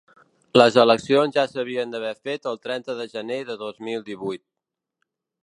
Les eleccions ja s’havien d’haver fet el trenta de gener de dos mil divuit.